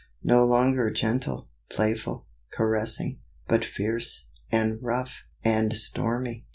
no longer gentle, playful, caressing, but fierce, and rough, and stormy.